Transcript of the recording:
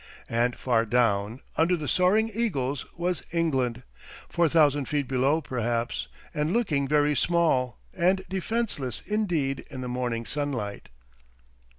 And far down, under the soaring eagles, was England, four thousand feet below perhaps, and looking very small and defenceless indeed in the morning sunlight.